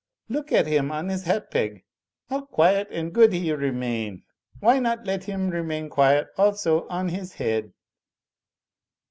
Look at him on his hat peg; how quiet and good he remain! Why not let him remain quiet also on his head?"